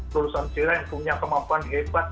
lulusan jiran yang punya kemampuan hebat